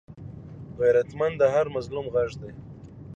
غیرتمند د هر مظلوم غږ دی